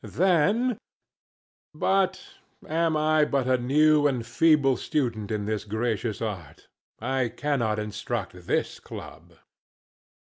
Then But I am but a new and feeble student in this gracious art; I cannot instruct this club.